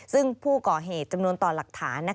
ซึ่งผู้ก่อเหตุจำนวนต่อหลักฐาน